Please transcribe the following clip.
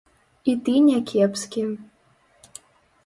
І ты не кепскі.